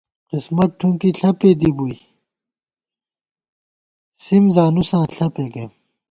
قسمت ٹھُنکی ݪپے دِی بُوئی سِم زانُساں ݪپے گَئیم